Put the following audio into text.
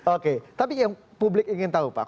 oke tapi yang publik ingin tahu pak